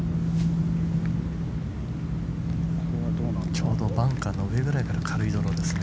ちょうどバンカーの上ぐらいから軽いドローですね。